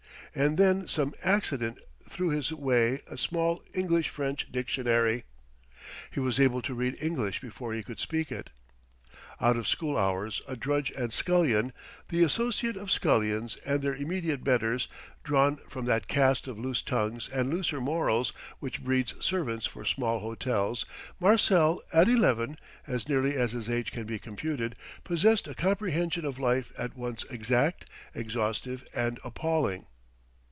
And then some accident threw his way a small English French dictionary. He was able to read English before he could speak it. Out of school hours a drudge and scullion, the associate of scullions and their immediate betters, drawn from that caste of loose tongues and looser morals which breeds servants for small hotels, Marcel at eleven (as nearly as his age can be computed) possessed a comprehension of life at once exact, exhaustive and appalling.